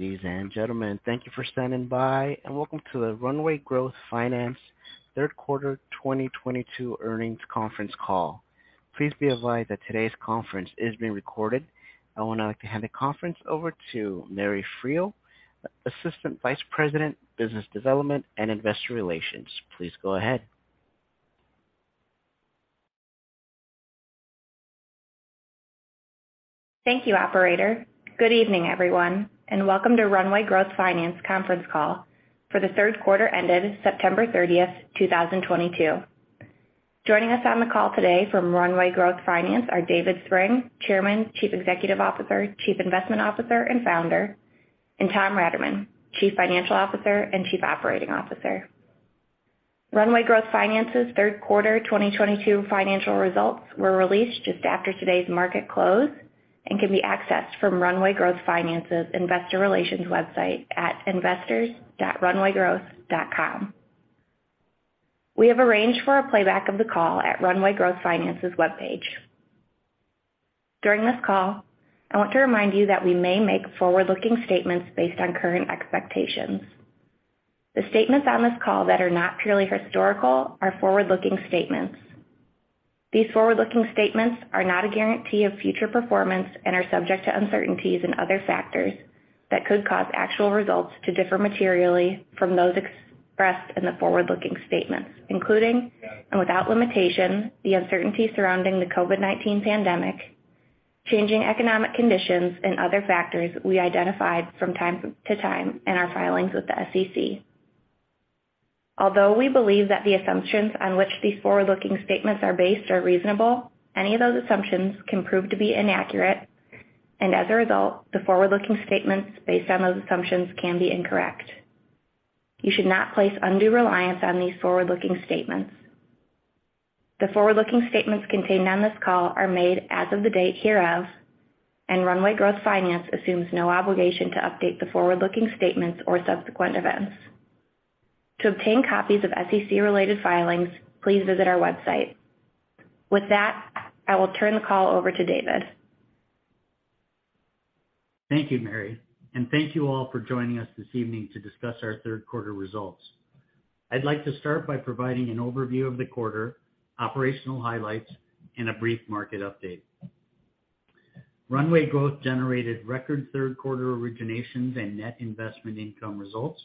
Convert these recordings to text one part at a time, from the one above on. Ladies and gentlemen, thank you for standing by, and welcome to the Runway Growth Finance third quarter 2022 earnings conference call. Please be advised that today's conference is being recorded. I would now like to hand the conference over to Mary Friel, Assistant Vice President, Business Development and Investor Relations. Please go ahead. Thank you, operator. Good evening, everyone, and welcome to Runway Growth Finance conference call for the third quarter ended September 30, 2022. Joining us on the call today from Runway Growth Finance are David Spreng, Chairman, Chief Executive Officer, Chief Investment Officer, and Founder, and Tom Raterman, Chief Financial Officer and Chief Operating Officer. Runway Growth Finance's third quarter 2022 financial results were released just after today's market close and can be accessed from Runway Growth Finance's investor relations website at investors.runwaygrowth.com. We have arranged for a playback of the call at Runway Growth Finance's webpage. During this call, I want to remind you that we may make forward-looking statements based on current expectations. The statements on this call that are not purely historical are forward-looking statements. These forward-looking statements are not a guarantee of future performance and are subject to uncertainties and other factors that could cause actual results to differ materially from those expressed in the forward-looking statements, including, and without limitation, the uncertainty surrounding the COVID-19 pandemic, changing economic conditions, and other factors we identified from time to time in our filings with the SEC. Although we believe that the assumptions on which these forward-looking statements are based are reasonable, any of those assumptions can prove to be inaccurate, and as a result, the forward-looking statements based on those assumptions can be incorrect. You should not place undue reliance on these forward-looking statements. The forward-looking statements contained on this call are made as of the date hereof, and Runway Growth Finance assumes no obligation to update the forward-looking statements or subsequent events. To obtain copies of SEC-related filings, please visit our website. With that, I will turn the call over to David. Thank you, Mary, and thank you all for joining us this evening to discuss our third quarter results. I'd like to start by providing an overview of the quarter, operational highlights, and a brief market update. Runway Growth generated record third-quarter originations and net investment income results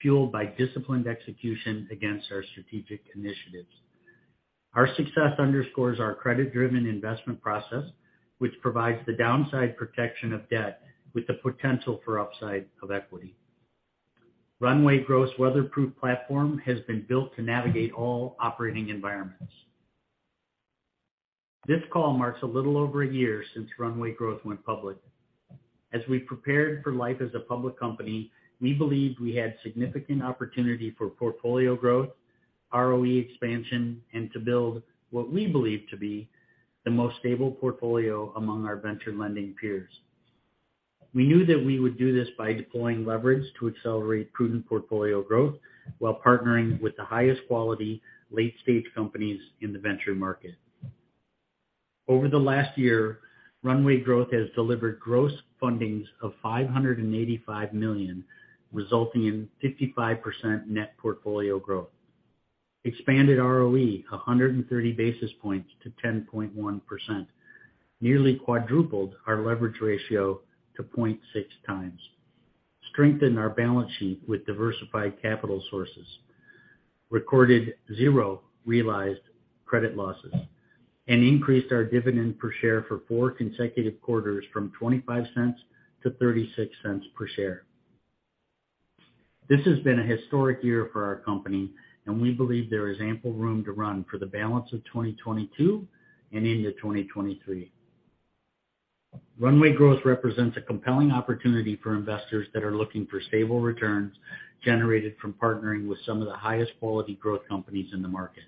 fueled by disciplined execution against our strategic initiatives. Our success underscores our credit-driven investment process, which provides the downside protection of debt with the potential for upside of equity. Runway Growth's weatherproof platform has been built to navigate all operating environments. This call marks a little over a year since Runway Growth went public. As we prepared for life as a public company, we believed we had significant opportunity for portfolio growth, ROE expansion, and to build what we believe to be the most stable portfolio among our venture lending peers. We knew that we would do this by deploying leverage to accelerate prudent portfolio growth while partnering with the highest quality late-stage companies in the venture market. Over the last year, Runway Growth has delivered gross fundings of $585 million, resulting in 55% net portfolio growth, expanded ROE 130 basis points to 10.1%, nearly quadrupled our leverage ratio to 0.6x, strengthened our balance sheet with diversified capital sources, recorded zero realized credit losses, and increased our dividend per share for four consecutive quarters from $0.25 to $0.36 per share. This has been a historic year for our company, and we believe there is ample room to run for the balance of 2022 and into 2023. Runway Growth represents a compelling opportunity for investors that are looking for stable returns generated from partnering with some of the highest quality growth companies in the market.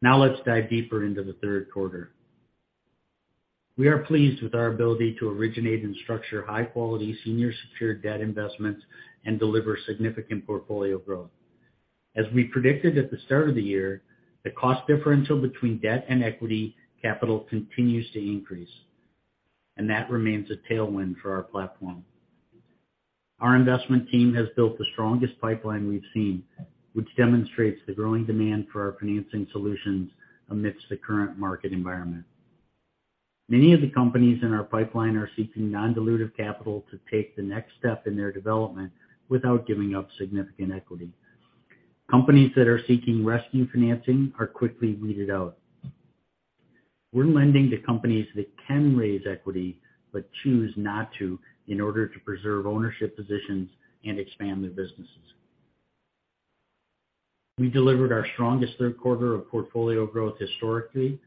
Now let's dive deeper into the third quarter. We are pleased with our ability to originate and structure high-quality senior secured debt investments and deliver significant portfolio growth. As we predicted at the start of the year, the cost differential between debt and equity capital continues to increase, and that remains a tailwind for our platform. Our investment team has built the strongest pipeline we've seen, which demonstrates the growing demand for our financing solutions amidst the current market environment. Many of the companies in our pipeline are seeking non-dilutive capital to take the next step in their development without giving up significant equity. Companies that are seeking rescue financing are quickly weeded out. We're lending to companies that can raise equity but choose not to in order to preserve ownership positions and expand their businesses. We delivered our strongest third quarter of portfolio growth historically,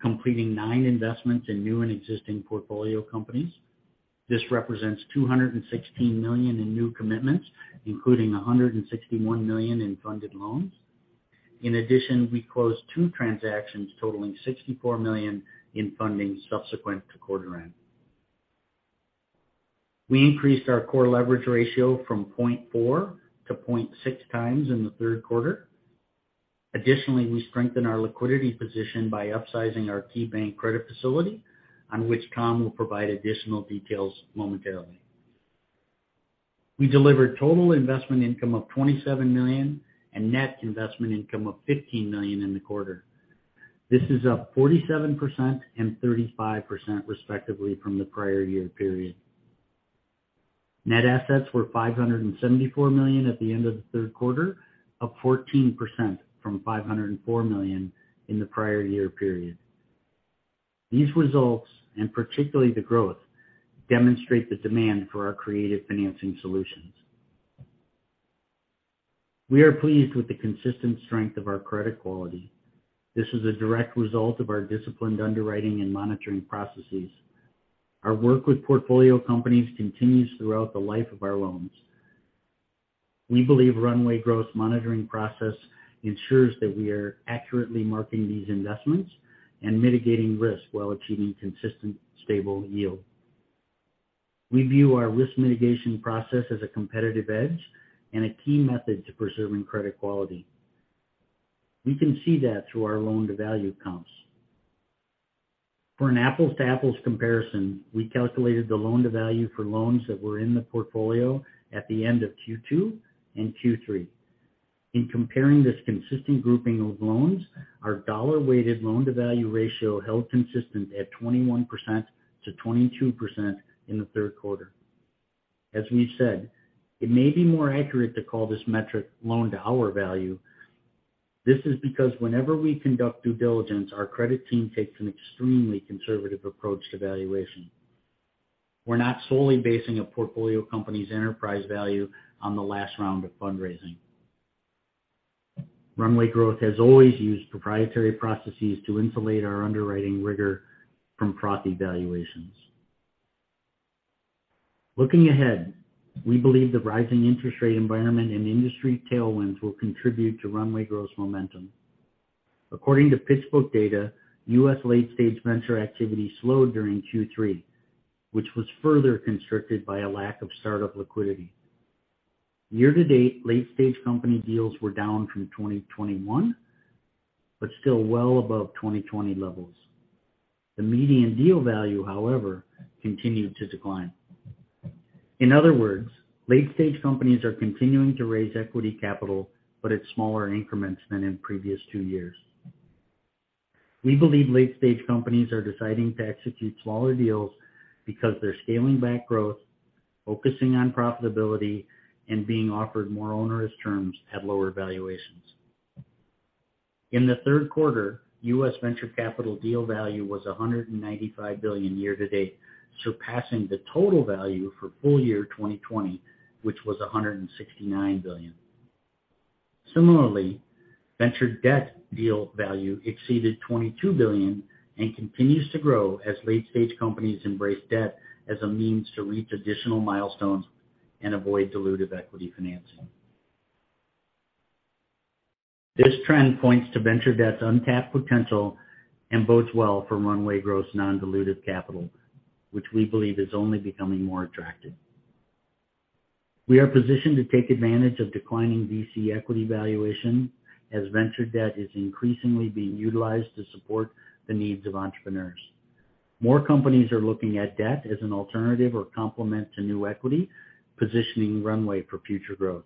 completing nine investments in new and existing portfolio companies. This represents $216 million in new commitments, including $161 million in funded loans. In addition, we closed two transactions totaling $64 million in funding subsequent to quarter end. We increased our core leverage ratio from 0.4x-0.6x in the third quarter. Additionally, we strengthen our liquidity position by upsizing our KeyBank credit facility, on which Tom will provide additional details momentarily. We delivered total investment income of $27 million and net investment income of $15 million in the quarter. This is up 47% and 35% respectively from the prior year period. Net assets were $574 million at the end of the third quarter, up 14% from $504 million in the prior year period. These results, and particularly the growth, demonstrate the demand for our creative financing solutions. We are pleased with the consistent strength of our credit quality. This is a direct result of our disciplined underwriting and monitoring processes. Our work with portfolio companies continues throughout the life of our loans. We believe Runway Growth monitoring process ensures that we are accurately marking these investments and mitigating risk while achieving consistent stable yield. We view our risk mitigation process as a competitive edge and a key method to preserving credit quality. We can see that through our loan-to-value accounts. For an apples-to-apples comparison, we calculated the loan-to-value for loans that were in the portfolio at the end of Q2 and Q3. In comparing this consistent grouping of loans, our dollar-weighted loan-to-value ratio held consistent at 21%-22% in the third quarter. As we said, it may be more accurate to call this metric loan to our value. This is because whenever we conduct due diligence, our credit team takes an extremely conservative approach to valuation. We're not solely basing a portfolio company's enterprise value on the last round of fundraising. Runway Growth has always used proprietary processes to insulate our underwriting rigor from frothy valuations. Looking ahead, we believe the rising interest rate environment and industry tailwinds will contribute to Runway Growth's momentum. According to PitchBook data, US late-stage venture activity slowed during Q3, which was further constricted by a lack of startup liquidity. Year-to-date, late-stage company deals were down from 2021, but still well above 2020 levels. The median deal value, however, continued to decline. In other words, late-stage companies are continuing to raise equity capital, but at smaller increments than in previous two years. We believe late-stage companies are deciding to execute smaller deals because they're scaling back growth, focusing on profitability, and being offered more onerous terms at lower valuations. In the third quarter, US venture capital deal value was $195 billion year to date, surpassing the total value for full year 2020, which was $169 billion. Similarly, venture debt deal value exceeded $22 billion and continues to grow as late-stage companies embrace debt as a means to reach additional milestones and avoid dilutive equity financing. This trend points to venture debt's untapped potential and bodes well for Runway Growth's non-dilutive capital, which we believe is only becoming more attractive. We are positioned to take advantage of declining VC equity valuation as venture debt is increasingly being utilized to support the needs of entrepreneurs. More companies are looking at debt as an alternative or complement to new equity, positioning Runway for future growth.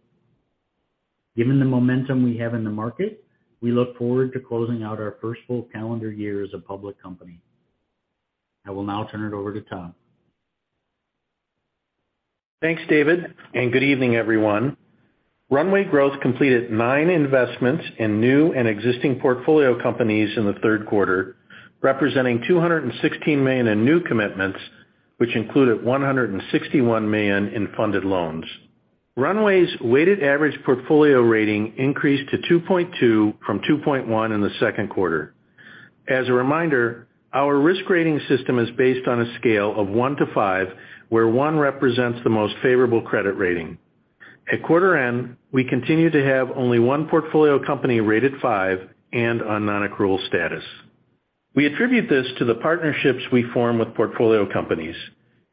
Given the momentum we have in the market, we look forward to closing out our first full calendar year as a public company. I will now turn it over to Tom. Thanks, David, and good evening, everyone. Runway Growth completed nine investments in new and existing portfolio companies in the third quarter, representing $216 million in new commitments, which included $161 million in funded loans. Runway's weighted average portfolio rating increased to 2.2 from 2.1 in the second quarter. As a reminder, our risk rating system is based on a scale of one to five, where one represents the most favorable credit rating. At quarter end, we continue to have only one portfolio company rated five and on non-accrual status. We attribute this to the partnerships we form with portfolio companies.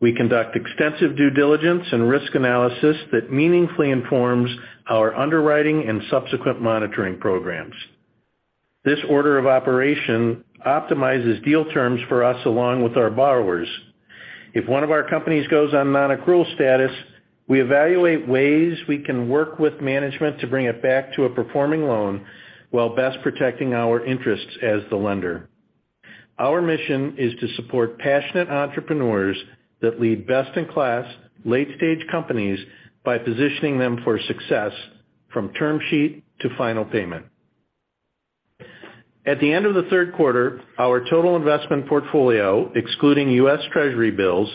We conduct extensive due diligence and risk analysis that meaningfully informs our underwriting and subsequent monitoring programs. This order of operation optimizes deal terms for us along with our borrowers. If one of our companies goes on non-accrual status, we evaluate ways we can work with management to bring it back to a performing loan while best protecting our interests as the lender. Our mission is to support passionate entrepreneurs that lead best-in-class late-stage companies by positioning them for success from term sheet to final payment. At the end of the third quarter, our total investment portfolio, excluding US. Treasury bills,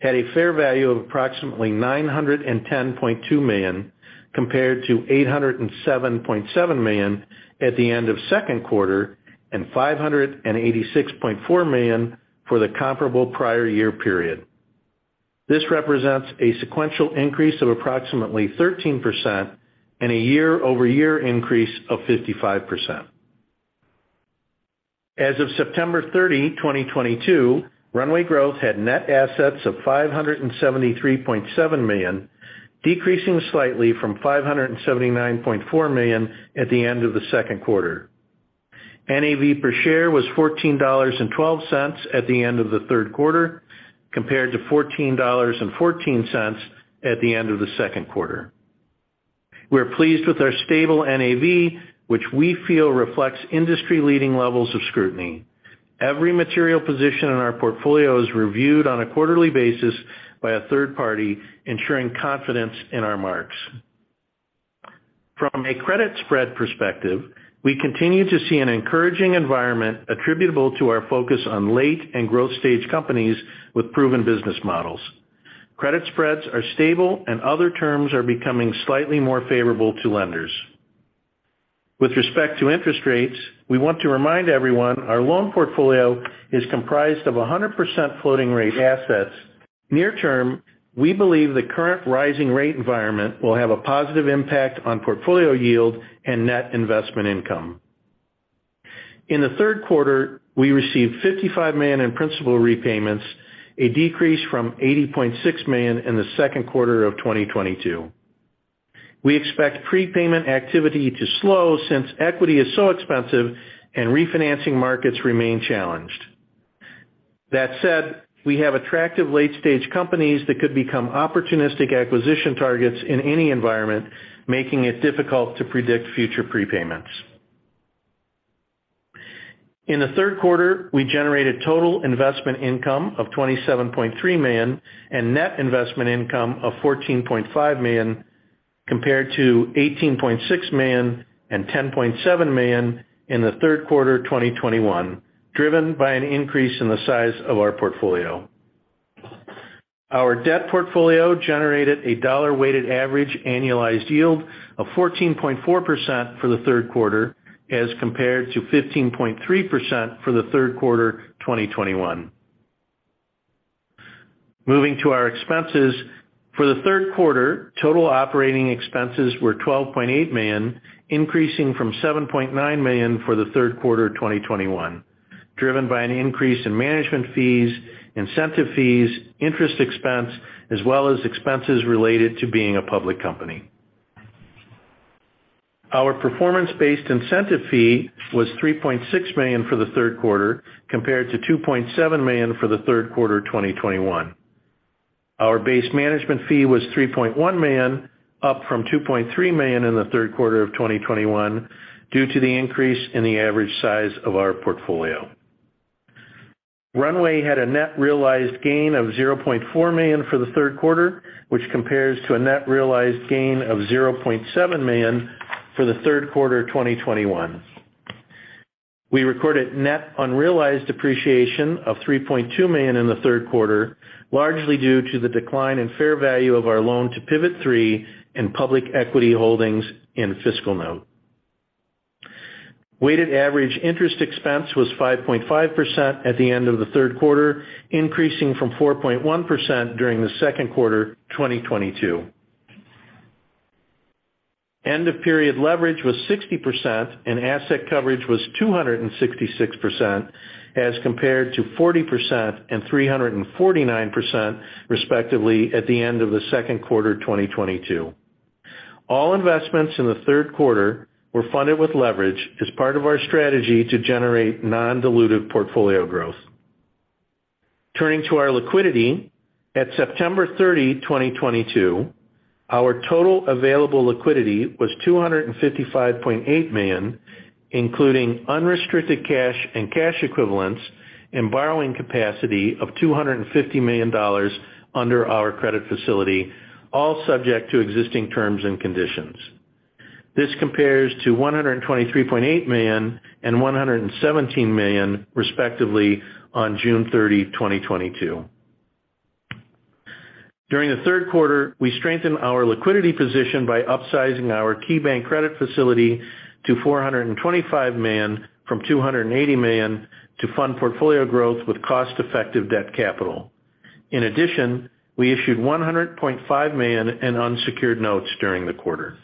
had a fair value of approximately $910.2 million, compared to $807.7 million at the end of second quarter and $586.4 million for the comparable prior year period. This represents a sequential increase of approximately 13% and a year-over-year increase of 55%. As of September 30, 2022, Runway Growth had net assets of $573.7 million, decreasing slightly from $579.4 million at the end of the second quarter. NAV per share was $14.12 at the end of the third quarter, compared to $14.14 at the end of the second quarter. We're pleased with our stable NAV, which we feel reflects industry-leading levels of scrutiny. Every material position in our portfolio is reviewed on a quarterly basis by a third party, ensuring confidence in our marks. From a credit spread perspective, we continue to see an encouraging environment attributable to our focus on late and growth stage companies with proven business models. Credit spreads are stable and other terms are becoming slightly more favorable to lenders. With respect to interest rates, we want to remind everyone our loan portfolio is comprised of 100% floating-rate assets. Near term, we believe the current rising rate environment will have a positive impact on portfolio yield and net investment income. In the third quarter, we received $55 million in principal repayments, a decrease from $80.6 million in the second quarter of 2022. We expect prepayment activity to slow since equity is so expensive and refinancing markets remain challenged. That said, we have attractive late-stage companies that could become opportunistic acquisition targets in any environment, making it difficult to predict future prepayments. In the third quarter, we generated total investment income of $27.3 million and net investment income of $14.5 million, compared to $18.6 million and $10.7 million in the third quarter of 2021, driven by an increase in the size of our portfolio. Our debt portfolio generated a dollar weighted average annualized yield of 14.4% for the third quarter, as compared to 15.3% for the third quarter of 2021. Moving to our expenses, for the third quarter, total operating expenses were $12.8 million, increasing from $7.9 million for the third quarter of 2021, driven by an increase in management fees, incentive fees, interest expense, as well as expenses related to being a public company. Our performance-based incentive fee was $3.6 million for the third quarter, compared to $2.7 million for the third quarter of 2021. Our base management fee was $3.1 million, up from $2.3 million in the third quarter of 2021 due to the increase in the average size of our portfolio. Runway had a net realized gain of $0.4 million for the third quarter, which compares to a net realized gain of $0.7 million for the third quarter of 2021. We recorded net unrealized appreciation of $3.2 million in the third quarter, largely due to the decline in fair value of our loan to Pivot3 and public equity holdings in FiscalNote. Weighted average interest expense was 5.5% at the end of the third quarter, increasing from 4.1% during the second quarter of 2022. End-of-period leverage was 60% and asset coverage was 266%, as compared to 40% and 349%, respectively, at the end of the second quarter of 2022. All investments in the third quarter were funded with leverage as part of our strategy to generate non-dilutive portfolio growth. Turning to our liquidity, at September 30, 2022, our total available liquidity was $255.8 million, including unrestricted cash and cash equivalents and borrowing capacity of $250 million under our credit facility, all subject to existing terms and conditions. This compares to $123.8 million and $117 million, respectively, on June 30, 2022. During the third quarter, we strengthened our liquidity position by upsizing our KeyBank credit facility to $425 million from $280 million to fund portfolio growth with cost-effective debt capital. In addition, we issued $100.5 million in unsecured notes during the quarter.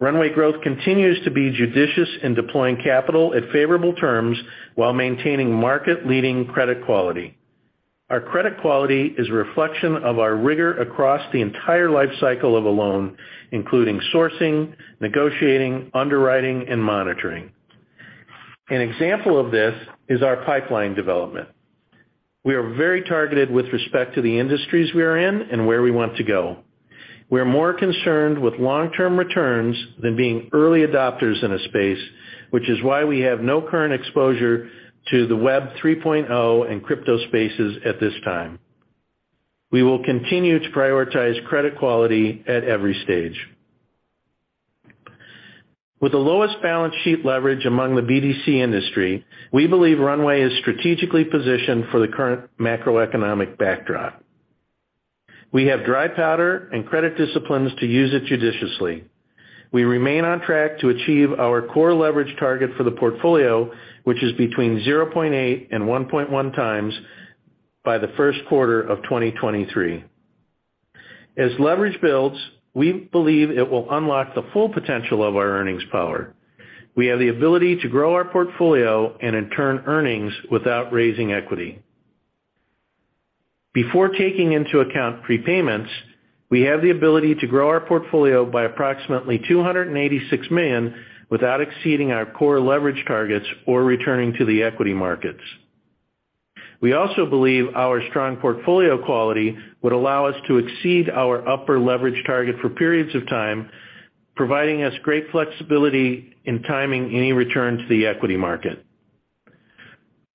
Runway Growth continues to be judicious in deploying capital at favorable terms while maintaining market-leading credit quality. Our credit quality is a reflection of our rigor across the entire life cycle of a loan, including sourcing, negotiating, underwriting, and monitoring. An example of this is our pipeline development. We are very targeted with respect to the industries we are in and where we want to go. We are more concerned with long-term returns than being early adopters in a space, which is why we have no current exposure to the Web 3.0 and crypto spaces at this time. We will continue to prioritize credit quality at every stage. With the lowest balance sheet leverage among the BDC industry, we believe Runway is strategically positioned for the current macroeconomic backdrop. We have dry powder and credit disciplines to use it judiciously. We remain on track to achieve our core leverage target for the portfolio, which is between 0.8 and 1.1 times by the first quarter of 2023. As leverage builds, we believe it will unlock the full potential of our earnings power. We have the ability to grow our portfolio and in turn, earnings without raising equity. Before taking into account prepayments, we have the ability to grow our portfolio by approximately $286 million without exceeding our core leverage targets or returning to the equity markets. We also believe our strong portfolio quality would allow us to exceed our upper leverage target for periods of time, providing us great flexibility in timing any return to the equity market.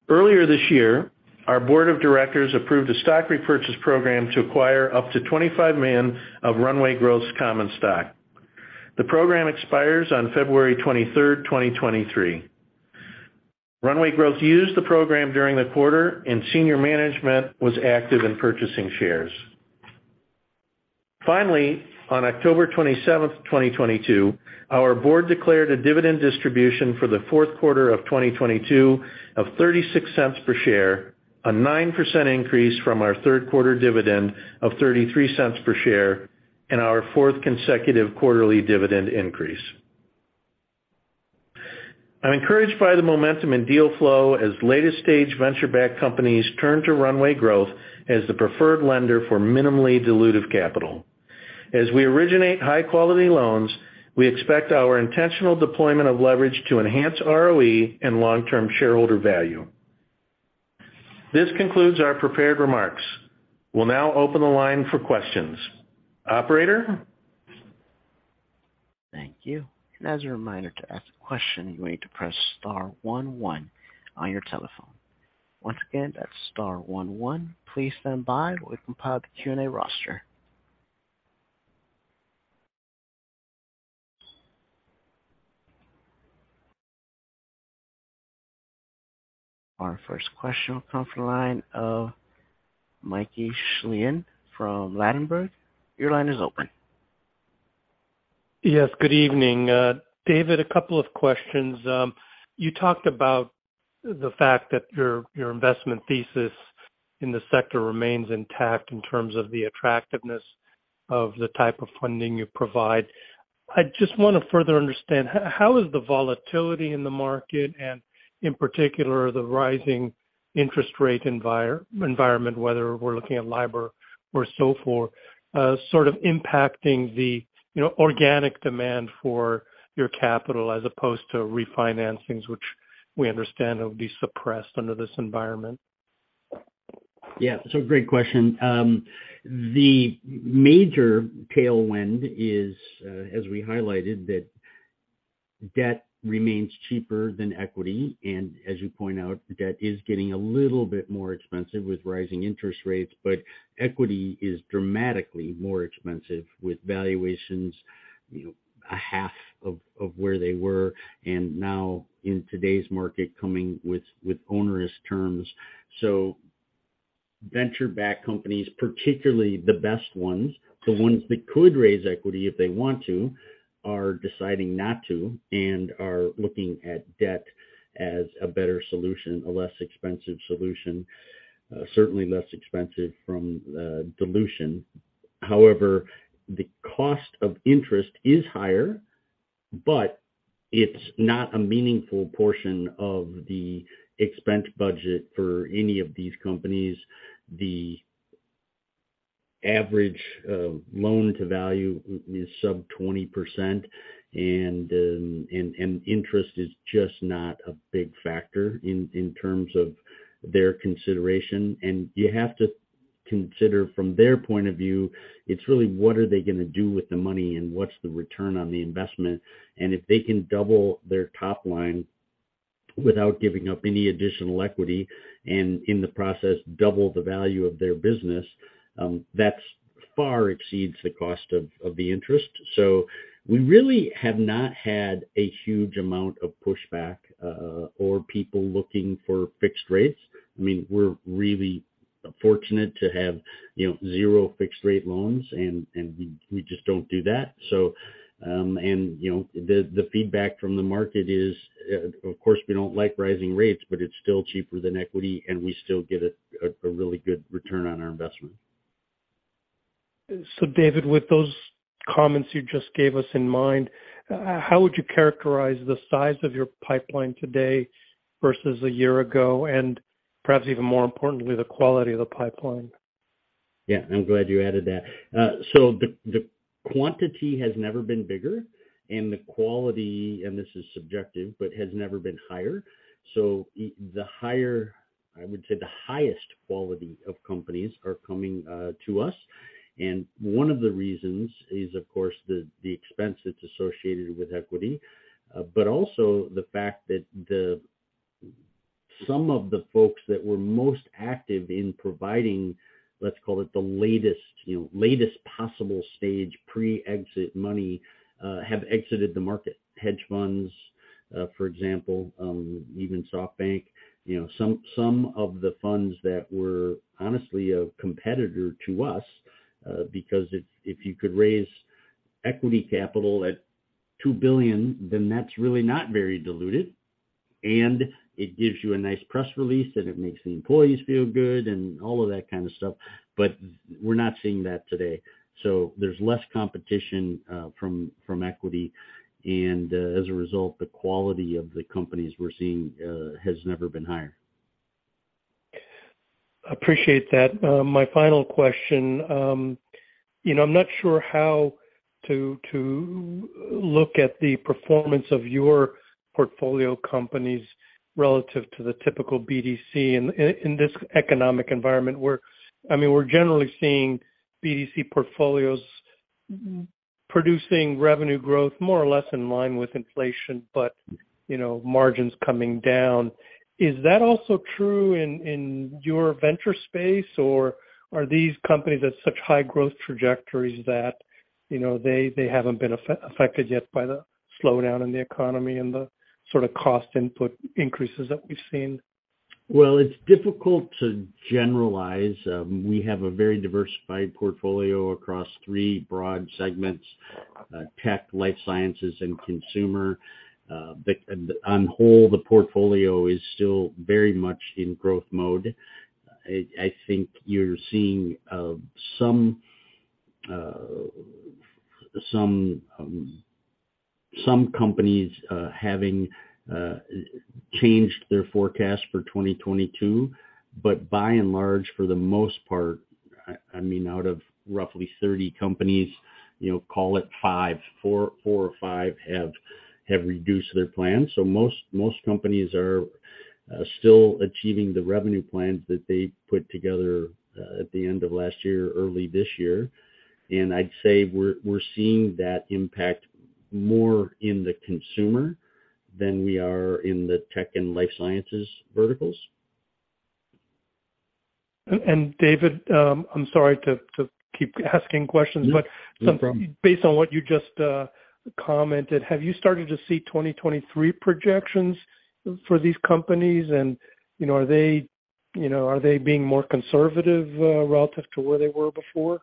Earlier this year, our board of directors approved a stock repurchase program to acquire up to $25 million of Runway Growth's common stock. The program expires on February 23, 2023. Runway Growth used the program during the quarter, and senior management was active in purchasing shares. Finally, on October 27, 2022, our board declared a dividend distribution for the fourth quarter of 2022 of $0.36 per share, a 9% increase from our third quarter dividend of $0.33 per share and our fourth consecutive quarterly dividend increase. I'm encouraged by the momentum in deal flow as latest stage venture-backed companies turn to Runway Growth as the preferred lender for minimally dilutive capital. As we originate high-quality loans, we expect our intentional deployment of leverage to enhance ROE and long-term shareholder value. This concludes our prepared remarks. We'll now open the line for questions. Operator? Thank you. As a reminder, to ask a question, you need to press star one one on your telephone. Once again, that's star one one. Please stand by while we compile the Q&A roster. Our first question will come from the line of Mickey Schleien from Ladenburg Thalmann. Your line is open. Yes, good evening. David, a couple of questions. You talked about the fact that your investment thesis in the sector remains intact in terms of the attractiveness of the type of funding you provide. I just wanna further understand, how is the volatility in the market, and in particular, the rising interest rate environment, whether we're looking at LIBOR or SOFR, sort of impacting the, you know, organic demand for your capital as opposed to refinancings, which we understand will be suppressed under this environment? Yeah. Great question. The major tailwind is, as we highlighted, that debt remains cheaper than equity. As you point out, debt is getting a little bit more expensive with rising interest rates. Equity is dramatically more expensive with valuations, you know, half of where they were, and now in today's market, coming with onerous terms. Venture-backed companies, particularly the best ones, the ones that could raise equity if they want to, are deciding not to and are looking at debt as a better solution, a less expensive solution, certainly less expensive from dilution. However, the cost of interest is higher, but it's not a meaningful portion of the expense budget for any of these companies. The average loan-to-value is sub 20%, and interest is just not a big factor in terms of their consideration. You have to consider from their point of view. It's really what are they gonna do with the money and what's the return on the investment. If they can double their top line without giving up any additional equity, and in the process, double the value of their business, that far exceeds the cost of the interest. We really have not had a huge amount of pushback or people looking for fixed rates. I mean, we're really fortunate to have, you know, zero fixed rate loans, and we just don't do that. you know, the feedback from the market is, of course, we don't like rising rates, but it's still cheaper than equity, and we still get a really good return on our investment. David, with those comments you just gave us in mind, how would you characterize the size of your pipeline today versus a year ago? Perhaps even more importantly, the quality of the pipeline? Yeah, I'm glad you added that. The quantity has never been bigger and the quality, and this is subjective, but has never been higher. I would say the highest quality of companies are coming to us. One of the reasons is, of course, the expense that's associated with equity, but also the fact that some of the folks that were most active in providing, let's call it the latest you know latest possible stage pre-exit money, have exited the market. Hedge funds, for example, even SoftBank. You know, some of the funds that were honestly a competitor to us, because if you could raise equity capital at $2 billion, then that's really not very diluted. It gives you a nice press release, and it makes the employees feel good and all of that kind of stuff. We're not seeing that today. There's less competition from equity. As a result, the quality of the companies we're seeing has never been higher. Appreciate that. My final question, you know, I'm not sure how to look at the performance of your portfolio companies relative to the typical BDC in this economic environment where, I mean, we're generally seeing BDC portfolios. Mm-hmm producing revenue growth more or less in line with inflation, but, you know, margins coming down. Is that also true in your venture space, or are these companies at such high growth trajectories that, you know, they haven't been affected yet by the slowdown in the economy and the sort of cost input increases that we've seen? Well, it's difficult to generalize. We have a very diversified portfolio across three broad segments, tech, life sciences, and consumer. On the whole, the portfolio is still very much in growth mode. I think you're seeing some companies having changed their forecast for 2022, but by and large, for the most part, I mean, out of roughly 30 companies, you know, call it four or fivehave reduced their plans. Most companies are still achieving the revenue plans that they put together at the end of last year or early this year. I'd say we're seeing that impact more in the consumer than we are in the tech and life sciences verticals. David, I'm sorry to keep asking questions. Yeah. No problem. Based on what you just commented, have you started to see 2023 projections for these companies? You know, are they being more conservative relative to where they were before?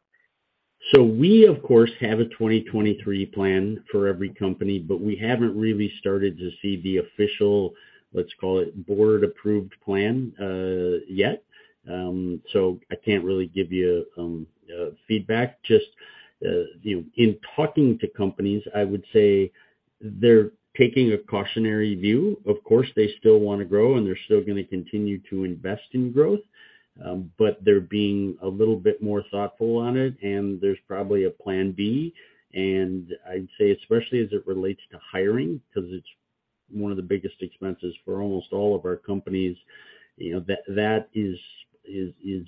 We, of course, have a 2023 plan for every company, but we haven't really started to see the official, let's call it board-approved plan, yet. I can't really give you feedback. Just, you know, in talking to companies, I would say they're taking a cautionary view. Of course, they still wanna grow, and they're still gonna continue to invest in growth, but they're being a little bit more thoughtful on it, and there's probably a plan B, and I'd say especially as it relates to hiring, 'cause it's one of the biggest expenses for almost all of our companies. You know, that is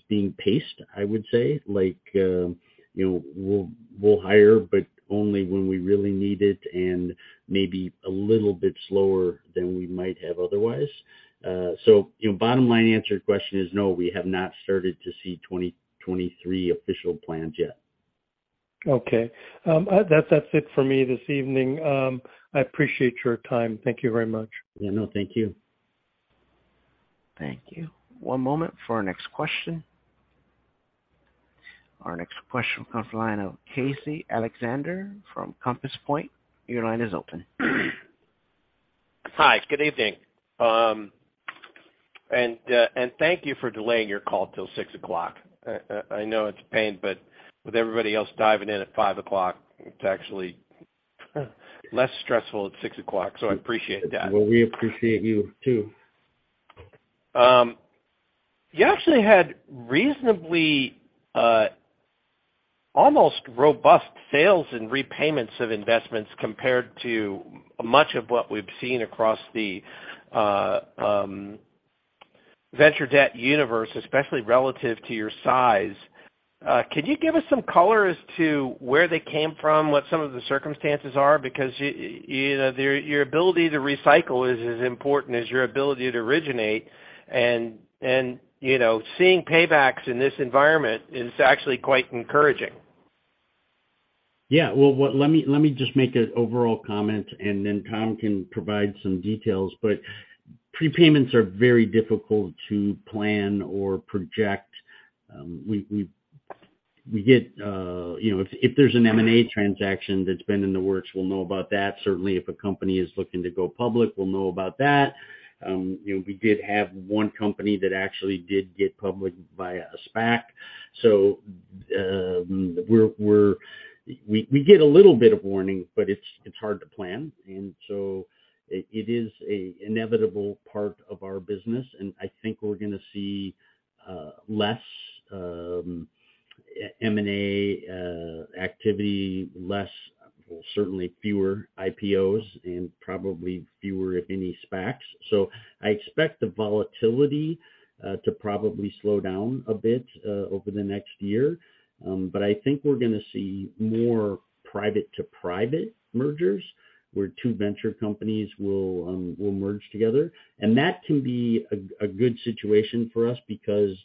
being paced, I would say. Like, you know, we'll hire, but only when we really need it and maybe a little bit slower than we might have otherwise. You know, bottom line answer to your question is no, we have not started to see 2023 official plans yet. Okay. That's it for me this evening. I appreciate your time. Thank you very much. Yeah, no, thank you. Thank you. One moment for our next question. Our next question comes from the line of Case Alexander from Compass Point. Your line is open. Hi, good evening. Thank you for delaying your call till 6 o'clock. I know it's a pain, but with everybody else diving in at 5 o'clock, it's actually less stressful at 6 o'clock, so I appreciate that. Well, we appreciate you too. You actually had reasonably almost robust sales and repayments of investments compared to much of what we've seen across the venture debt universe, especially relative to your size. Can you give us some color as to where they came from, what some of the circumstances are? Because you know, your ability to recycle is as important as your ability to originate. You know, seeing paybacks in this environment is actually quite encouraging. Yeah. Well, let me just make an overall comment, and then Tom can provide some details. Prepayments are very difficult to plan or project. We get, you know, if there's an M&A transaction that's been in the works, we'll know about that. Certainly, if a company is looking to go public, we'll know about that. You know, we did have one company that actually did go public via a SPAC. We get a little bit of warning, but it's hard to plan. It is an inevitable part of our business, and I think we're gonna see less M&A activity, less. Well, certainly fewer IPOs and probably fewer, if any, SPACs. I expect the volatility to probably slow down a bit over the next year. I think we're gonna see more private to private mergers, where two venture companies will merge together. That can be a good situation for us because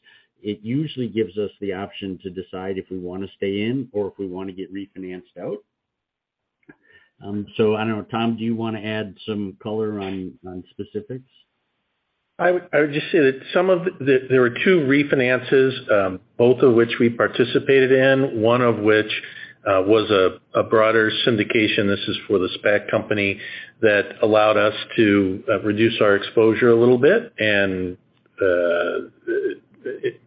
it usually gives us the option to decide if we wanna stay in or if we wanna get refinanced out. I don't know, Tom, do you wanna add some color on specifics? I would just say there were two refinances, both of which we participated in, one of which was a broader syndication. This is for the SPAC company that allowed us to reduce our exposure a little bit and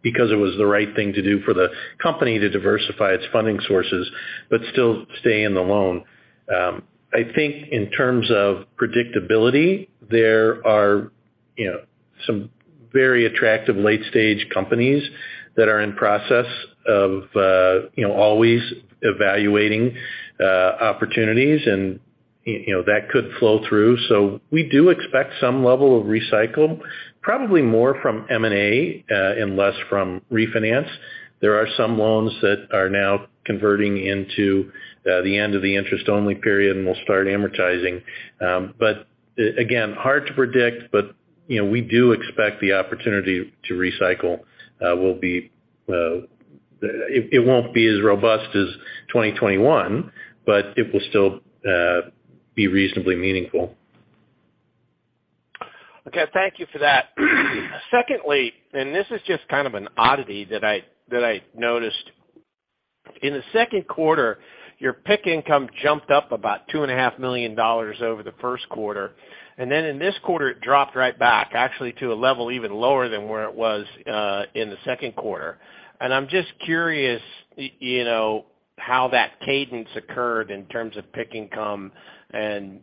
because it was the right thing to do for the company to diversify its funding sources but still stay in the loan. I think in terms of predictability, there are, you know, some very attractive late-stage companies that are in process of, you know, always evaluating opportunities and, you know, that could flow through. We do expect some level of recycle, probably more from M&A and less from refinance. There are some loans that are now converting into the end of the interest-only period and will start amortizing. Again, hard to predict, but you know, we do expect the opportunity to recycle will be. It won't be as robust as 2021, but it will still be reasonably meaningful. Okay. Thank you for that. Secondly, this is just kind of an oddity that I noticed. In the second quarter, your PIK income jumped up about $2.5 million over the first quarter, and then in this quarter it dropped right back actually to a level even lower than where it was in the second quarter. I'm just curious, you know, how that cadence occurred in terms of PIK income and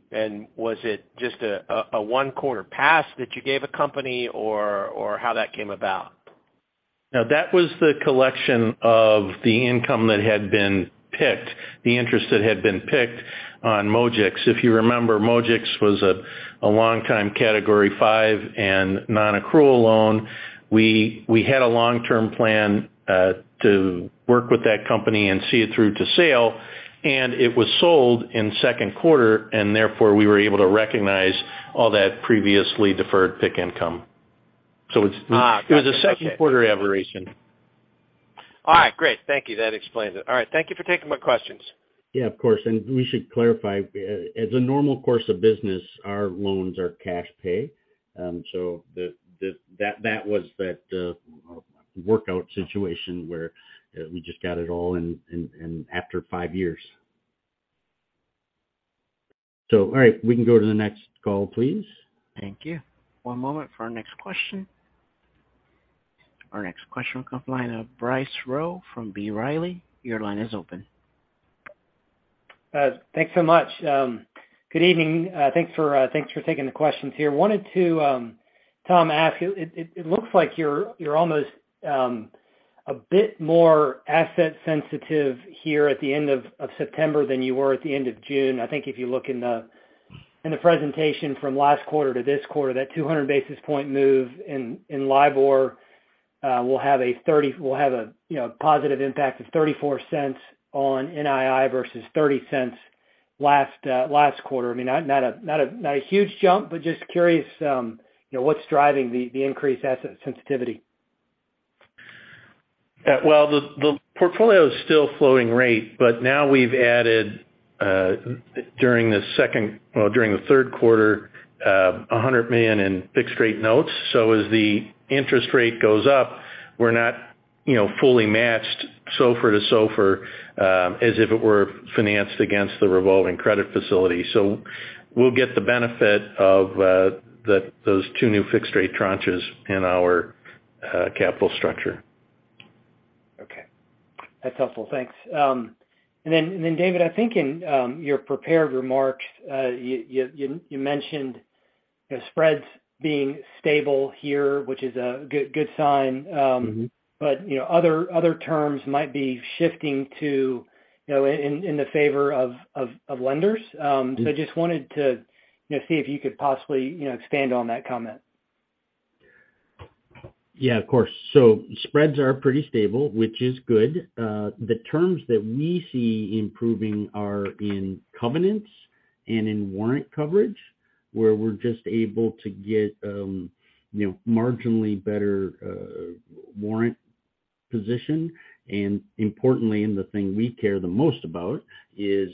was it just a one-quarter pass that you gave a company or how that came about? No. That was the collection of the income that had been PIKed, the interest that had been PIKed on Mojix. If you remember, Mojix was a longtime Category Five and non-accrual loan. We had a long-term plan to work with that company and see it through to sale, and it was sold in second quarter, and therefore we were able to recognize all that previously deferred PIK income. Gotcha. Okay. It was a second quarter aberration. All right. Great. Thank you. That explains it. All right. Thank you for taking my questions. Yeah, of course. We should clarify, as a normal course of business, our loans are cash pay. That was that workout situation where we just got it all in after five years. All right, we can go to the next call, please. Thank you. One moment for our next question. Our next question will come from the line of Bryce Rowe from B. Riley. Your line is open. Thanks so much. Good evening. Thanks for taking the questions here. Wanted to, Tom, ask you. It looks like you're almost a bit more asset sensitive here at the end of September than you were at the end of June. I think if you look in the presentation from last quarter to this quarter, that 200 basis point move in LIBOR will have a positive impact of $0.34 on NII versus $0.30 last quarter. I mean, not a huge jump, but just curious, you know, what's driving the increased asset sensitivity? Yeah. The portfolio is still floating rate, but now we've added during the third quarter $100 million in fixed-rate notes. As the interest rate goes up, we're not fully matched SOFR to SOFR, as if it were financed against the revolving credit facility. We'll get the benefit of those two new fixed-rate tranches in our capital structure. Okay. That's helpful. Thanks. David, I think in your prepared remarks, you mentioned, you know, spreads being stable here, which is a good sign. Mm-hmm. You know, other terms might be shifting to, you know, in the favor of lenders. Mm-hmm. I just wanted to, you know, see if you could possibly, you know, expand on that comment. Yeah, of course. Spreads are pretty stable, which is good. The terms that we see improving are in covenants and in warrant coverage, where we're just able to get, you know, marginally better warrant position. Importantly, the thing we care the most about is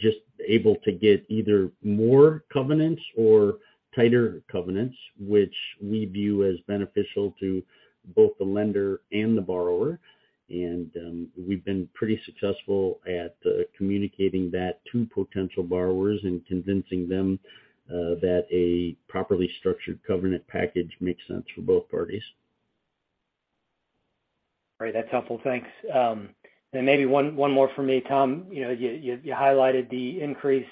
just able to get either more covenants or tighter covenants, which we view as beneficial to both the lender and the borrower. We've been pretty successful at communicating that to potential borrowers and convincing them that a properly structured covenant package makes sense for both parties. All right. That's helpful. Thanks. Maybe one more for me, Tom. You know, you highlighted the increased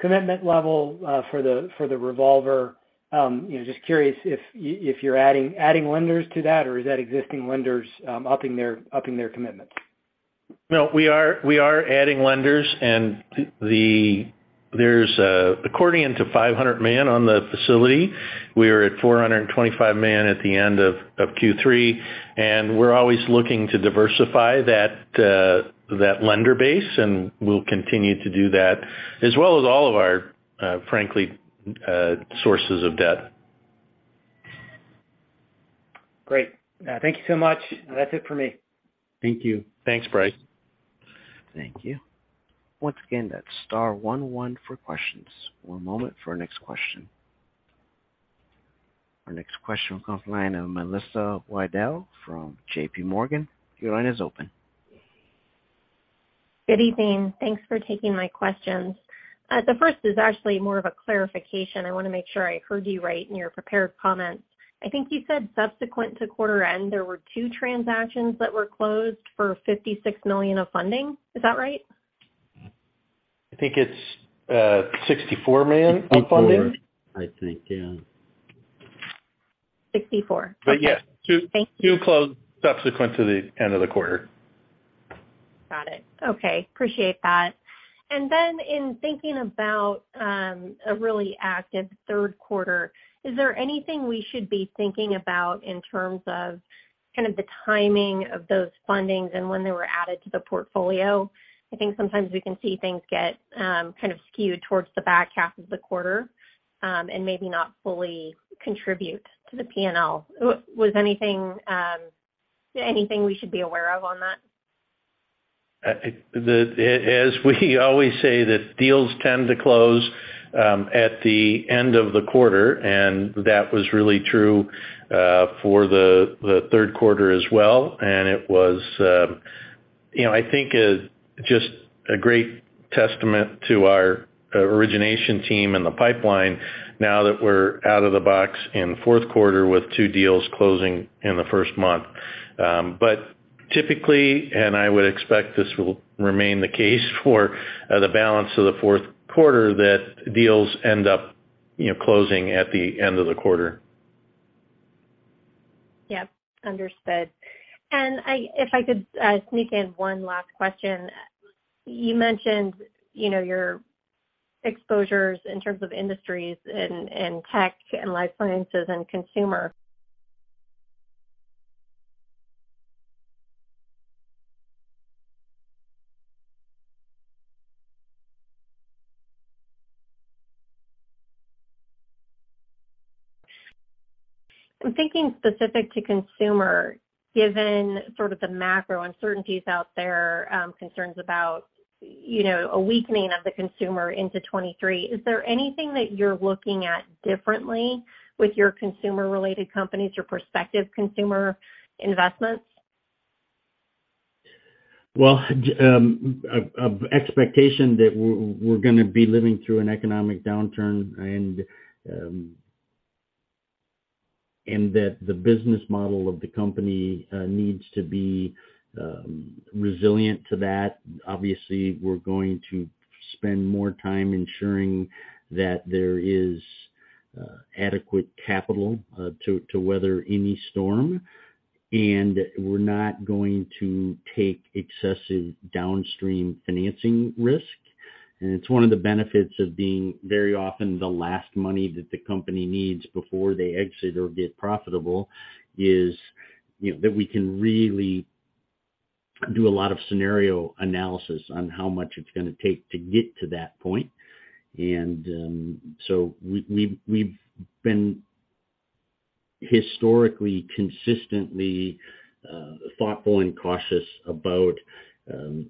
commitment level for the revolver. You know, just curious if you're adding lenders to that or is that existing lenders upping their commitments? No. We are adding lenders and there's accordion to $500 million on the facility. We are at $425 million at the end of Q3, and we're always looking to diversify that lender base and we'll continue to do that as well as all of our frankly sources of debt. Great. Thank you so much. That's it for me. Thank you. Thanks, Bryce. Thank you. Once again, that's star one one for questions. One moment for our next question. Our next question comes from the line of Melissa Wedel from JPMorgan. Your line is open. Good evening. Thanks for taking my questions. The first is actually more of a clarification. I wanna make sure I heard you right in your prepared comments. I think you said subsequent to quarter end, there were two transactions that were closed for $56 million of funding. Is that right? I think it's $64 million of funding. 64, I think. Yeah. 64. Okay. Yes. Thank you. Two closed subsequent to the end of the quarter. Got it. Okay. Appreciate that. In thinking about a really active third quarter, is there anything we should be thinking about in terms of kind of the timing of those fundings and when they were added to the portfolio? I think sometimes we can see things get kind of skewed towards the back half of the quarter and maybe not fully contribute to the P&L. Was anything we should be aware of on that? As we always say, deals tend to close at the end of the quarter, and that was really true for the third quarter as well. It was, you know, I think just a great testament to our origination team and the pipeline now that we're out of the box in the fourth quarter with two deals closing in the first month. Typically, I would expect this will remain the case for the balance of the fourth quarter, that deals end up, you know, closing at the end of the quarter. Yep. Understood. If I could sneak in one last question. You mentioned, you know, your exposures in terms of industries in tech and life sciences and consumer. I'm thinking specific to consumer, given sort of the macro uncertainties out there, concerns about, you know, a weakening of the consumer into 2023, is there anything that you're looking at differently with your consumer-related companies or prospective consumer investments? Well, expectation that we're gonna be living through an economic downturn and that the business model of the company needs to be resilient to that. Obviously, we're going to spend more time ensuring that there is adequate capital to weather any storm, and we're not going to take excessive downstream financing risk. It's one of the benefits of being very often the last money that the company needs before they exit or get profitable is, you know, that we can really do a lot of scenario analysis on how much it's gonna take to get to that point. We've been historically consistently thoughtful and cautious about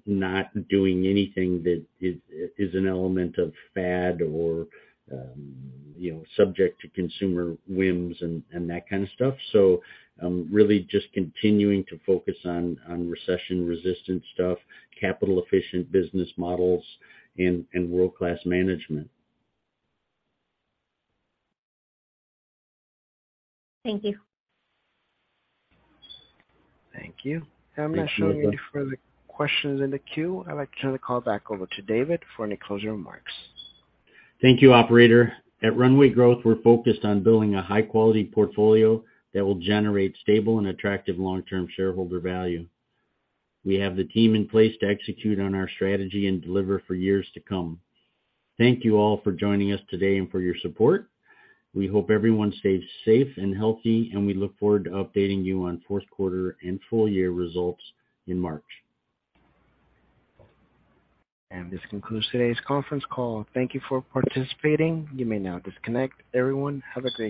not doing anything that is an element of fad or, you know, subject to consumer whims and that kind of stuff. Really just continuing to focus on recession-resistant stuff, capital-efficient business models and world-class management. Thank you. Thank you. Thank you, Melissa. I'm not showing any further questions in the queue. I'd like to turn the call back over to David for any closing remarks. Thank you, operator. At Runway Growth, we're focused on building a high-quality portfolio that will generate stable and attractive long-term shareholder value. We have the team in place to execute on our strategy and deliver for years to come. Thank you all for joining us today and for your support. We hope everyone stays safe and healthy, and we look forward to updating you on fourth quarter and full year results in March. This concludes today's conference call. Thank you for participating. You may now disconnect. Everyone, have a great day.